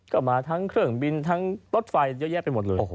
ก็มาทั้งเครื่องบินทั้งรถไฟเยอะแยะไปหมดเลย